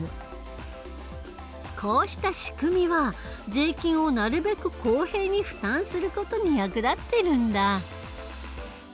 こうした仕組みは税金をなるべく公平に負担する事に役立ってるんだ。